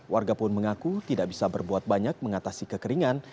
warga pun mengaku tidak bisa berbuat banyak mengatasi kekeringan